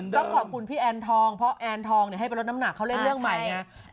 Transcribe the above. ต้องขอบคุณพี่แอนทองเพราะแอนทองให้ไปลดน้ำหนักเขาเล่นเรื่องใหม่ไง